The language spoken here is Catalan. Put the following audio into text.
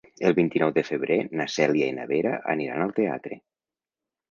El vint-i-nou de febrer na Cèlia i na Vera aniran al teatre.